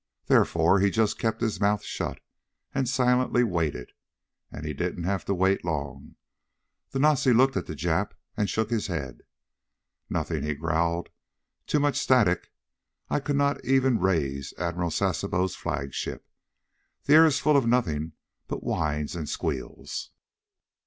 Therefore he just kept his mouth shut, and silently waited. And he didn't have to wait long. The Nazi looked at the Jap and shook his head. "Nothing!" he growled. "Too much static. I could not even raise Admiral Sasebo's flagship. The air is full of nothing but whines and squeals."